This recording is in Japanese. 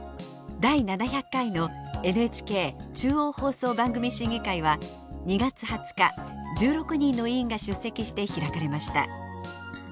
第７００回のＮＨＫ中央放送番組審議会は２月２０日１６人の委員が出席して開かれました。